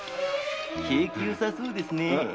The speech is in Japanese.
景気よさそうですね。